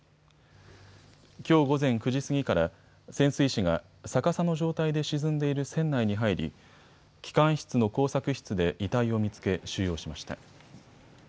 きょう午前９時過ぎから潜水士が逆さの状態で沈んでいる船内に入り機関室の工作室で遺体を見つけ収容しました。